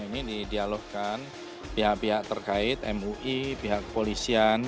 ini didialogkan pihak pihak terkait mui pihak kepolisian